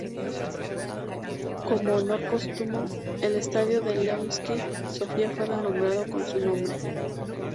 Como honor póstumo, el estadio del Levski Sofia fue renombrado con su nombre.